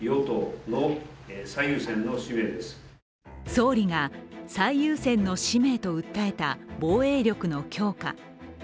総理が最優先の使命と訴えた防衛力の強化。